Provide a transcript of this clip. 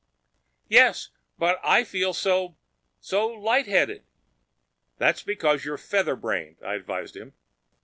"Yes. But I feel so—so lightheaded—" "That's because you're featherbrained," I advised him.